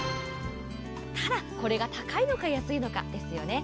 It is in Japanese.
ただ、これが高いのか、安いのかですよね。